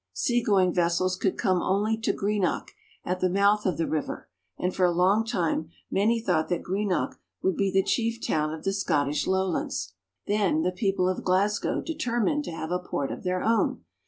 Seagoing vessels could come only to Greenock, at the mouth of the river, and for a long time many thought that Greenock would be the chief town of GLASGOW AND THE CLYDE. 35 the Scottish lowlands. Then the people of Glasgow deter mined to have a port of their own.